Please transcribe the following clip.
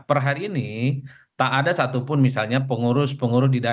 per hari ini tak ada satupun misalnya pengurus pengurus di daerah